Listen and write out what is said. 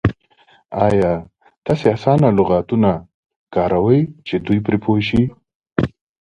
ایا تاسې اسانه لغتونه کاروئ چې دوی پرې پوه شي؟